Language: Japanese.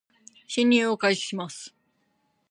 進入を開始します